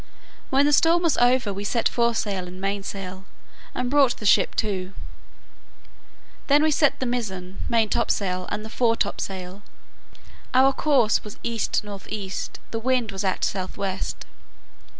When the storm was over, we set fore sail and main sail, and brought the ship to. Then we set the mizen, main top sail, and the fore top sail. Our course was east north east, the wind was at south west.